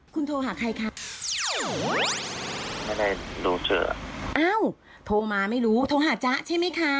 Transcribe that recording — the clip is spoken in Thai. คุณโทรหาใครคะไม่ได้ดูเถอะอ้าวโทรมาไม่รู้โทรหาจ๊ะใช่ไหมคะ